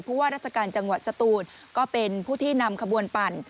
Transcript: ว่าราชการจังหวัดสตูนก็เป็นผู้ที่นำขบวนปั่น